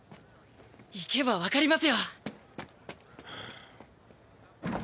行けばわかりますよ！